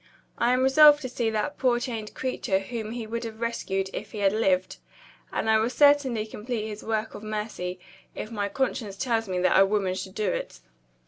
I am resolved to see that poor chained creature whom he would have rescued if he had lived; and I will certainly complete his work of mercy, if my conscience tells me that a woman should do it."